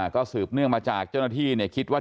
ก็สืบเนื่องมาจากเจ้าหน้าที่